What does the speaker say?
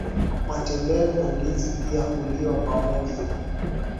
matembele na ndizi pia huliwa pamoja